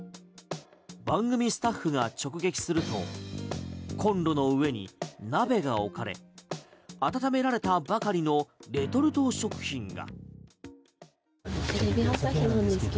番組スタッフが直撃するとコンロの上に鍋が置かれ温められたばかりのレトルト食品が。